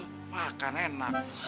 bolesin sambal makan enak